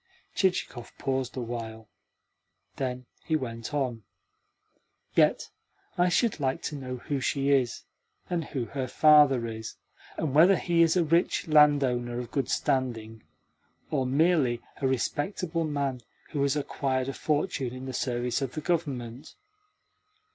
Chichikov paused awhile. Then he went on: "Yet I should like to know who she is, and who her father is, and whether he is a rich landowner of good standing, or merely a respectable man who has acquired a fortune in the service of the Government.